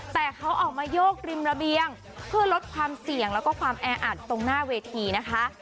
แต่เขาออกมาโยกริมระเบียงเพื่อลดความเสี่ยงแล้วก็ความแออัดตรงหน้าเวทีนะคะ